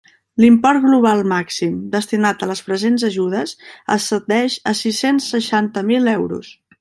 L'import global màxim destinat a les presents ajudes ascendeix a sis-cents seixanta mil euros.